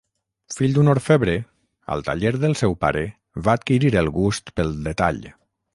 Fill d'un orfebre, al taller del seu pare va adquirir el gust pel detall.